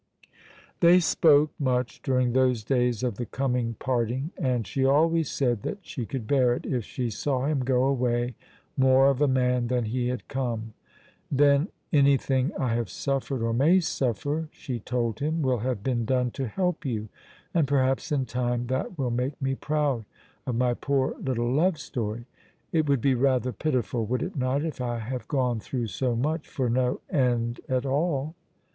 They spoke much during those days of the coming parting, and she always said that she could bear it if she saw him go away more of a man than he had come. "Then anything I have suffered or may suffer," she told him, "will have been done to help you, and perhaps in time that will make me proud of my poor little love story. It would be rather pitiful, would it not, if I have gone through so much for no end at all?"